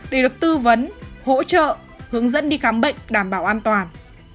để được tư vấn hỗ trợ hướng dẫn đi khám bệnh đảm bảo an toàn